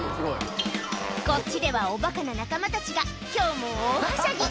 こっちではおばかな仲間たちが、きょうも大はしゃぎ。